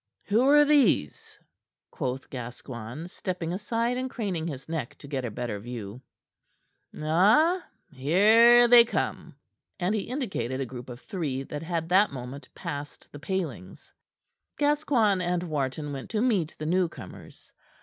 "Who are these?" quoth Gascoigne, stepping aside and craning his neck to get a better view. "Ah! Here they come." And he indicated a group of three that had that moment passed the palings. Gascoigne and Wharton went to meet the newcomers.